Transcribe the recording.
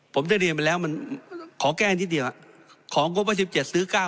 ผมจะเรียนไปแล้วมันขอแก้นทีเดียวอ่ะของงบว่าสิบเจ็ดซื้อเก้า